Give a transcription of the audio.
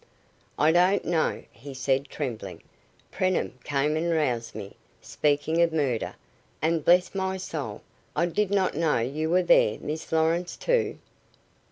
"I don't know," he said, trembling. "Preenham came and roused me speaking of murder and, bless my soul! I did not know you were there. Miss Lawrence, too!"